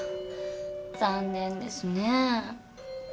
残念ですね。